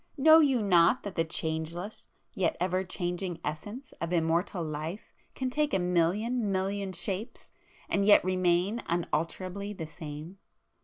Know you not that the changeless, yet ever changing Essence of Immortal Life can take a million million shapes and yet remain unalterably the same?